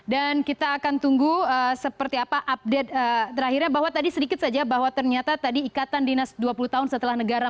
dan kita akan tunggu seperti apa update terakhirnya bahwa tadi sedikit saja bahwa ternyata tadi ikatan dinas dua puluh tahun setelah negara